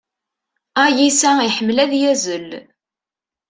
Ayyis-a iḥemmel ad yazzel.